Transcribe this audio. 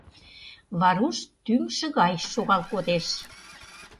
Варуш тӱҥшӧ гай шогал кодеш.